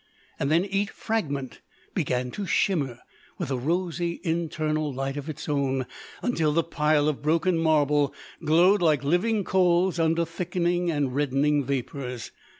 Then each fragment began to shimmer with a rosy internal light of its own, until the pile of broken marble glowed like living coals under thickening and reddening vapours.